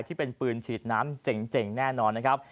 ที่เป็นปืนฉีดน้ำเจ๋งแน่นอนนะครับ